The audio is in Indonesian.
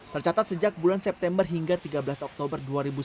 tercatat sejak bulan september hingga tiga belas oktober dua ribu sembilan belas